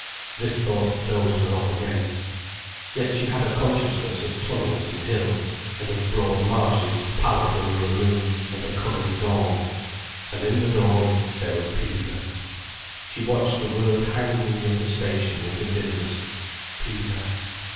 This thought dozed her off again. Yet she had a consciousness of tunnels and hills and of broad marshes pallid under a moon and a coming dawn. And in the dawn there was Pisa. She watched the word hanging in the station in the dimness: "Pisa."